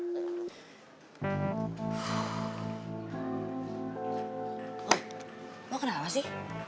lo kenapa sih